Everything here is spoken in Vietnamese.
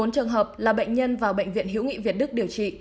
bốn trường hợp là bệnh nhân vào bệnh viện hữu nghị việt đức điều trị